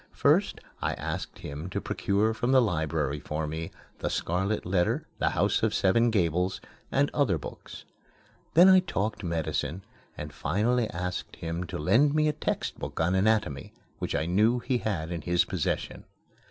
First I asked him to procure from the library for me "The Scarlet Letter," "The House of the Seven Gables," and other books; then I talked medicine and finally asked him to lend me a textbook on anatomy which I knew he had in his possession.